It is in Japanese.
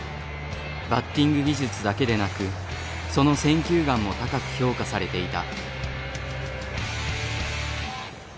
バッティング技術だけでなくその選球眼も高く評価されていた。